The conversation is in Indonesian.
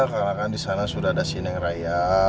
karena kan disana sudah ada sining raya